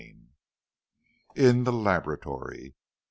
XXI. IN THE LABORATORY.